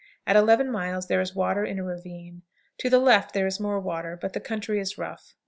At 11 miles there is water in a ravine. To the left there is more water, but the country is rough.